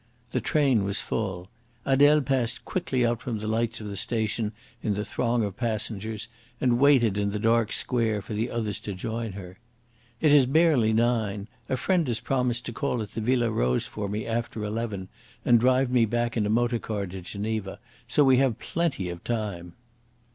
The train was full. Adele passed quickly out from the lights of the station in the throng of passengers and waited in the dark square for the others to join her. "It is barely nine. A friend has promised to call at the Villa Rose for me after eleven and drive me back in a motor car to Geneva, so we have plenty of time."